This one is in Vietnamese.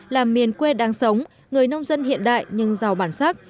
làm miền quê đang sống người nông dân hiện đại nhưng giàu bản sắc